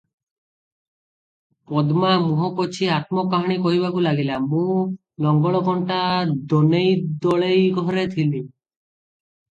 "ପଦ୍ମା ମୁହଁ ପୋଛି ଆତ୍ମକାହାଣୀ କହିବାକୁ ଲାଗିଲା, "ମୁଁ ଲଙ୍ଗଳକଣ୍ଟା ଦନେଇ ଦଳେଇ ଘରେ ଥିଲି ।